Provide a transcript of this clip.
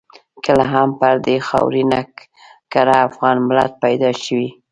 کله هم پر دې خاورینه کره افغان ملت پیدا شوی.